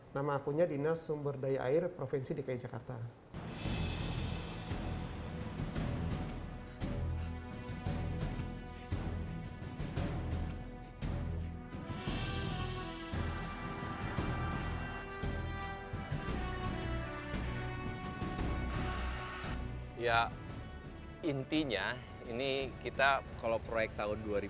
nama akunnya dinas sumberdaya air provinsi dki jakarta